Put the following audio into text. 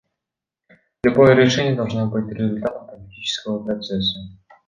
Любое решение должно быть результатом политического процесса.